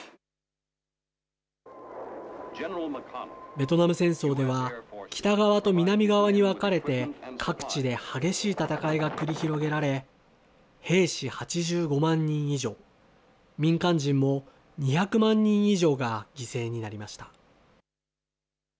ベトナム戦争では、北側と南側に分かれて、各地で激しい戦いが繰り広げられ、兵士８５万人以上、民間人も２００万人以上が犠牲になりました。